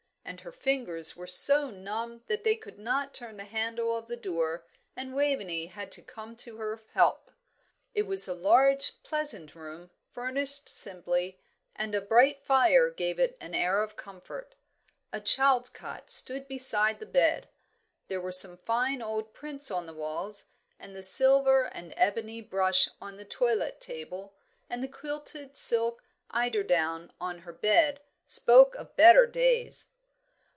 And her fingers were so numb that they could not turn the handle of the door, and Waveney had to come to her help. It was a large, pleasant room, furnished simply, and a bright fire gave it an air of comfort. A child's cot stood beside the bed. There were some fine old prints on the walls, and the silver and ebony brush on the toilet table, and the quilted silk eiderdown on her bed, spoke of better days.